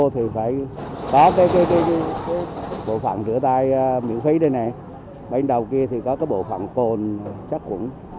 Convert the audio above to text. thì phải có cái bộ phận rửa tay miễn phí đi này bên đầu kia thì có cái bộ phận cồn sát khuẩn